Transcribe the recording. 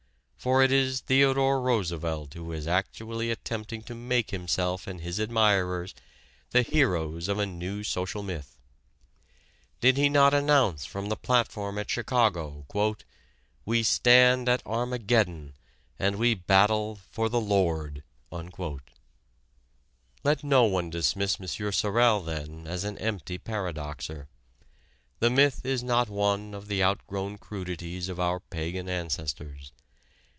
For it is Theodore Roosevelt who is actually attempting to make himself and his admirers the heroes of a new social myth. Did he not announce from the platform at Chicago "we stand at Armageddon and we battle for the Lord"? Let no one dismiss M. Sorel then as an empty paradoxer. The myth is not one of the outgrown crudities of our pagan ancestors.